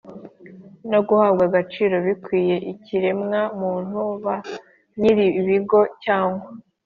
no guhabwa agaciro bikwiye ikiremwa muntu. ba nyiri ibigo cyangwa